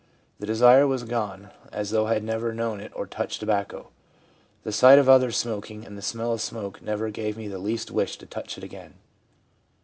The desire was gone as though I had never known it or touched tobacco. The sight of others smoking and the smell of smoke never gave me the least wish to touch it again.'